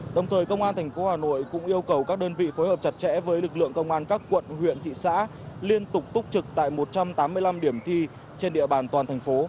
đồng thời công an tp hà nội cũng yêu cầu các đơn vị phối hợp chặt chẽ với lực lượng công an các quận huyện thị xã liên tục túc trực tại một trăm tám mươi năm điểm thi trên địa bàn toàn thành phố